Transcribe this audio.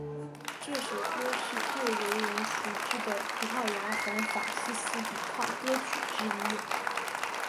这首歌是最为人熟知的葡萄牙反法西斯抵抗歌曲之一。